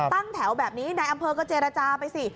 ตั้งแถวแบบนี้นายอำเภอก็เจรจาไปสิ